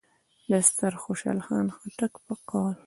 د ستر خوشحال خان خټک په قول: